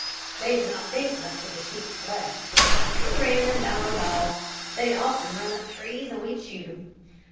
"They did not think much of the sheep's flesh. We ran them down with dogs. They'd often run up trees, and we'd shoot them.